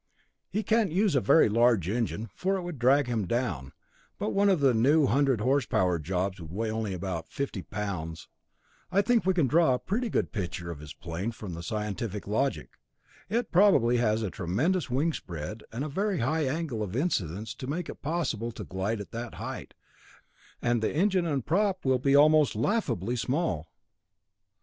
He can't use a very large engine, for it would drag him down, but one of the new hundred horsepower jobs would weigh only about fifty pounds. I think we can draw a pretty good picture of his plane from scientific logic. It probably has a tremendous wingspread and a very high angle of incidence to make it possible to glide at that height, and the engine and prop will be almost laughably small."